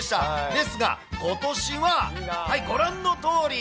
ですが、ことしは、はい、ご覧のとおり。